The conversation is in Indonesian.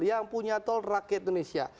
yang punya tol rakyat indonesia